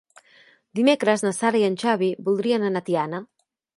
Dimecres na Sara i en Xavi voldrien anar a Tiana.